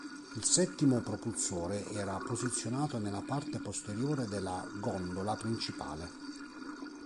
Il settimo propulsore era posizionato nella parte posteriore della gondola principale.